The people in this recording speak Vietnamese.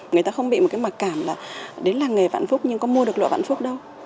người ta không bị một cái mặc cảm là đến làng nghề vạn phúc nhưng có mua được lụa vạn phúc đâu